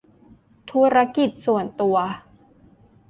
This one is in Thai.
ธุรกิจส่วนตัว